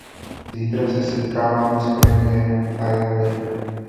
Zítra se setkáme s premiérem Fajadem.